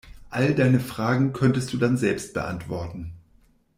All deine Fragen könntest du dann selbst beantworten.